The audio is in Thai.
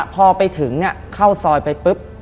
พอเข้าซอยไปปุ๊บ